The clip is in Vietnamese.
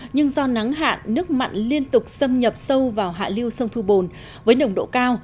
nhưng do nắng hạn nước mặn liên tục xâm nhập sâu vào hạ lưu sông thu bồn với nồng độ cao